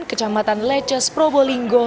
kecamatan leces probolinggo